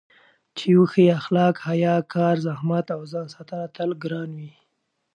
چې وښيي اخلاق، حیا، کار، زحمت او ځانساتنه تل ګران وي.